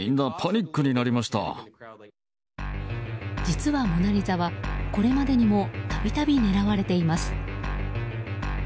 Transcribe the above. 実は「モナリザ」はこれまでも度々狙われています。